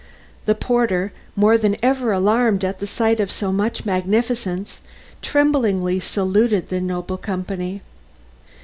The porter, more than ever alarmed at the sight of so much magnificence, tremblingly saluted the noble company.